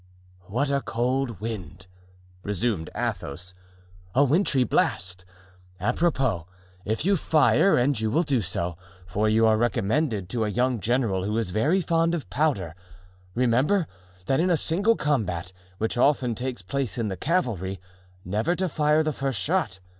"What a cold wind!" resumed Athos; "a wintry blast. Apropos, if you fire—and you will do so, for you are recommended to a young general who is very fond of powder—remember that in single combat, which often takes place in the cavalry, never to fire the first shot.